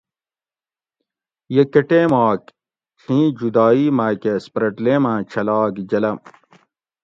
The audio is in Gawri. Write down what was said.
یہ کہ ٹیماک چھی جدائ ماکہۤ سپرٹ لیماں چھلاگ جلم